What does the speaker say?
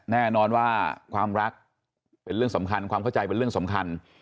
แน่นอนว่าความรักเป็นเรื่องสำคัญความเข้าใจเป็นเรื่องสำคัญ